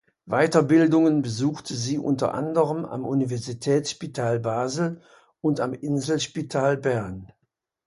Weiterbildungen besuchte sie unter anderem am Universitätsspital Basel und am Inselspital Bern.